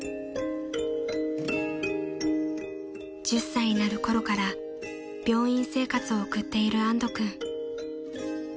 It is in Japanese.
［１０歳になるころから病院生活を送っている安土君］